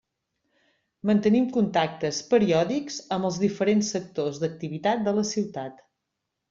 Mantenim contactes periòdics amb els diferents sectors d'activitat de la ciutat.